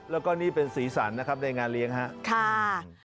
แล้วก็นี่เป็นสีสันนะครับในงานเลี้ยงครับ